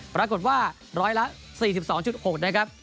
ปรากฏว่าร้อยละ๔๒๖นะครับ